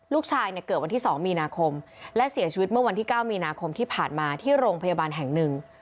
ลูกชายเนี่ยเกิดวันที่๒มีนาคมและเสียชีวิตเมื่อวันที่๙มีนาคมที่ผ่านมาที่โรงพยาบาลแห่งหนึ่ง